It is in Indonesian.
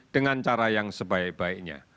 dengan cara yang sebaik baiknya